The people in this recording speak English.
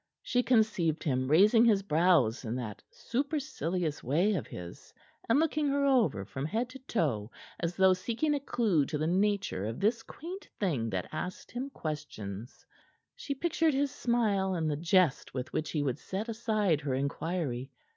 She conceived him raising his brows in that supercilious way of his, and looking her over from head to toe as though seeking a clue to the nature of this quaint thing that asked him questions. She pictured his smile and the jest with which he would set aside her inquiry.